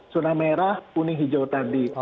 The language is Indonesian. zona merah kuning hijau tadi